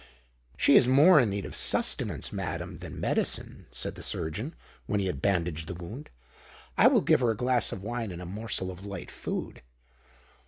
"She is more in need of sustenance, madam, than medicine," said the surgeon, when he had bandaged the wound. "I will give her a glass of wine and a morsel of light food."